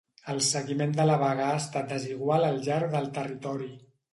El seguiment de la vaga ha estat desigual al llarg del territori.